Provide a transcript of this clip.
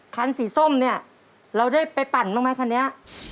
คันสีส้มเนี่ยเราได้ไปปั่นบ้างไหมคันนี้